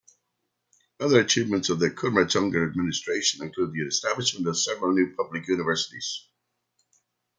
Other achievements of the Kumaratunga administration include the establishment of several new public universities.